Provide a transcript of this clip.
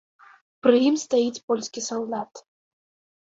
Пры ім стаіць польскі салдат.